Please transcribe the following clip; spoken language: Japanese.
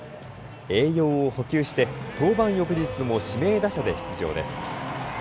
栄養を補給して登板翌日も指名打者で出場です。